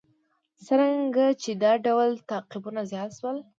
څرنګه چې دا ډول تعقیبونه زیات شول.